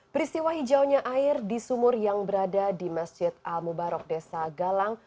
peristiwa hijaunya air di sumur yang berada di masjid al mubarok desa galang